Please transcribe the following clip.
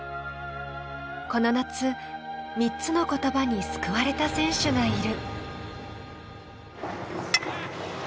この夏、３つの言葉に救われた選手がいる。